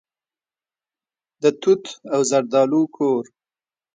د توت او زردالو کور.